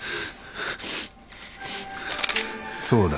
そうだ。